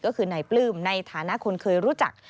ก็คือนายปลื้มในฐานะคนเคยรู้จัก